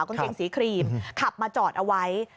กางเกงสีครีมขับมาจอดเอาไว้